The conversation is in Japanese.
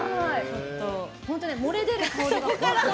本当、漏れ出る香りが。